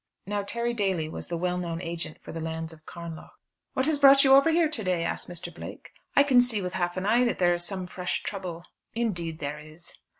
Now, Terry Daly was the well known agent for the lands of Carnlough. "What has brought you over here to day?" asked Mr. Blake. "I can see with half an eye that there is some fresh trouble." "Indeed there is."